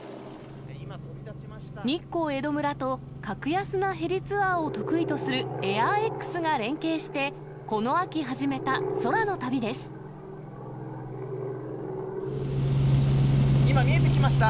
日光江戸村と、格安なヘリツアーを得意とするＡｉｒＸが連携して、この秋始めた今、見えてきました。